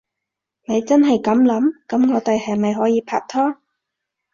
你真係噉諗？噉我哋係咪可以拍拖？